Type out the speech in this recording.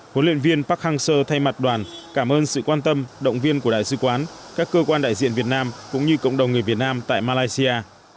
huấn luyện viên park hang seo thay mặt đoàn cảm ơn sự quan tâm động viên của đại sứ quán các cơ quan đại diện việt nam cũng như cộng đồng người việt nam tại malaysia